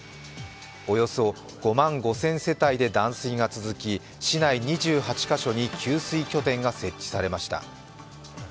およそ５万５０００世帯で断水が続き、市内２８か所に給水拠点が設置されました。